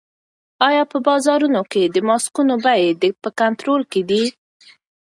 آیا په بازارونو کې د ماسکونو بیې په کنټرول کې دي؟